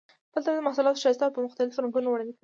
خپل تولیدي محصولات ښایسته او په مختلفو رنګونو وړاندې کوي.